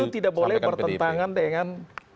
tidak boleh bertentangan dengan